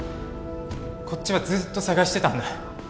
こっちはずっと捜してたんだ。